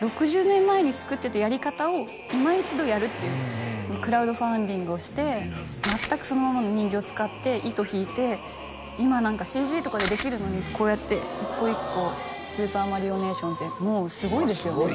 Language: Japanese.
６０年前に作ってたやり方をいま一度やるっていうクラウドファンディングをして全くそのままの人形使って糸引いて今ＣＧとかでできるのにこうやって一個一個スーパーマリオネーションってもうすごいですよね